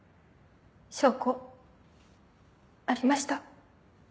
証拠ありました。